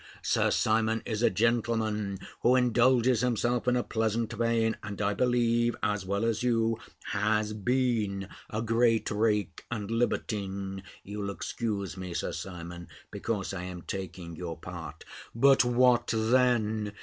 Sir Simon is a gentleman who indulges himself in a pleasant vein, and, I believe, as well as you, has been a great rake and libertine:" (You'll excuse me, Sir Simon, because I am taking your part), "but what then?